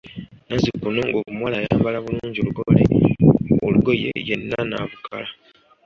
Nazzikuno ng'omuwala ayambala bulungi olugoye yenna n'abukala.